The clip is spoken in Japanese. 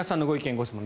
・ご質問